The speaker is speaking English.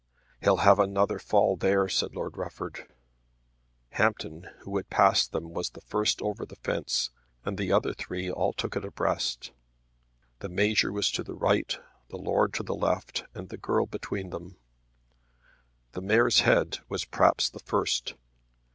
"He'll have another fall there," said Lord Rufford. Hampton who had passed them was the first over the fence, and the other three all took it abreast. The Major was to the right, the lord to the left and the girl between them. The mare's head was perhaps the first.